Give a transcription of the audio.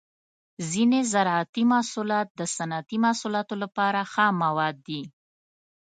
ځینې زراعتي محصولات د صنعتي محصولاتو لپاره خام مواد دي.